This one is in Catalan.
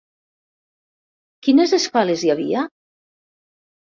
Quines escoles hi havia?